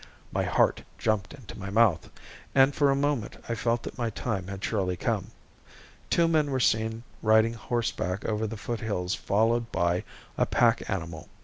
"My heart jumped into my mouth" and for a moment I felt that my time had surely come. Two men were seen riding horseback over the foot hills followed by a pack animal.